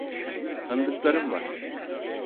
Tanıdıklarım var.